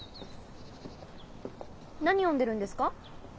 何読んでるんですか？